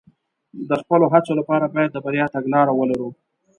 د خپلو هڅو لپاره باید د بریا تګلاره ولرو.